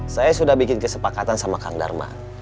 saya sudah bikin kesepakatan sama kang dharma